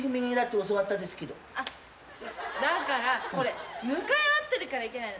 あっこれ向かい合ってるからいけないんだね。